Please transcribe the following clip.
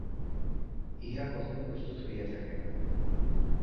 ইহা কখনো প্রস্তুত হইয়া থাকে না।